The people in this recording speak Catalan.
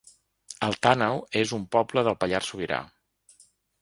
Alt Àneu es un poble del Pallars Sobirà